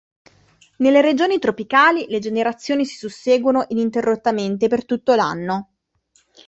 Nelle regioni tropicali le generazioni si susseguono ininterrottamente per tutto l'anno.